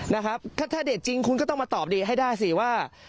นะครับถ้าเด็ดจริงคุณก็ต้องมาตอบดีให้ได้สิว่า